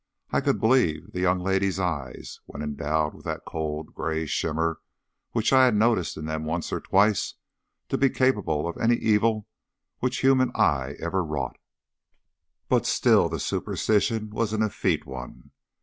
I could believe the young lady's eyes, when endowed with that cold, grey shimmer which I had noticed in them once or twice, to be capable of any evil which human eye ever wrought; but still the superstition was an effete one.